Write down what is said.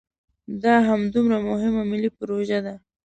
دا همدومره مهمه ملي پروژه ده.